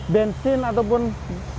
bensin ataupun ban